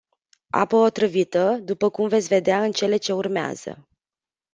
Apă otrăvită, după cum veți vedea în cele ce urmează.